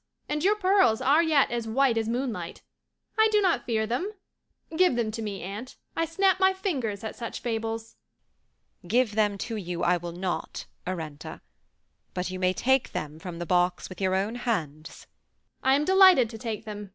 And your pearls are yet as white as moonlight. I do not fear them. Give them to me, aunt. I snap my fingers at such fables." "Give them to you, I will not, Arenta; but you may take them from the box with your own hands." "I am delighted to take them.